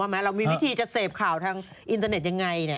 ไหมเรามีวิธีจะเสพข่าวทางอินเทอร์เน็ตยังไง